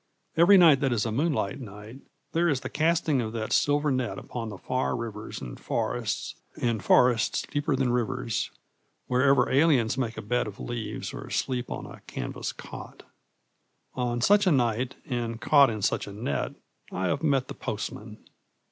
Every night that is a moonlight night there is the casting of that silver net upon far rivers and forests deeper than rivers wherever aliens make a bed of leaves or sleep on a canvas cot. On such a night, and caught in such a net, I have met the postman.